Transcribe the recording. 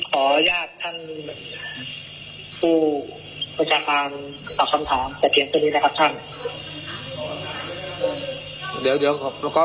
ขออนุญาตท่านผู้ประชาการตอบคำถามแต่เพียงตัวนี้นะครับท่าน